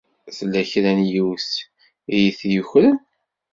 Tella kra n yiwet i yi-t-yukren.